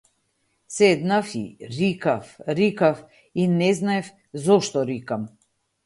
Седнав и рикав, рикав и не знаев зошто рикам.